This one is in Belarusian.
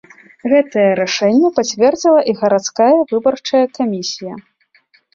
Гэтае рашэнне пацвердзіла і гарадская выбарчая камісія.